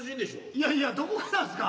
いやいやどこがなんすか？